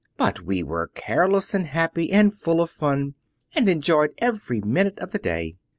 But we were careless and happy and full of fun, and enjoyed every minute of the day.